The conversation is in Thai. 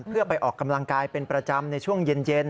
เพื่อไปออกกำลังกายเป็นประจำในช่วงเย็น